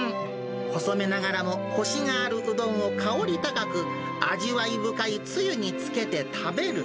細めながらも、こしがあるうどんを香り高く、味わい深いつゆにつけて食べる。